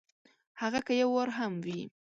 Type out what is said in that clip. هغه که یو وار هم وي !